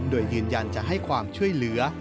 โดยยืนยันจะให้ความช่วยเหลือ